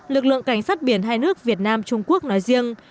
lực lượng cảnh sát biển hai nước việt nam trung quốc nói riêng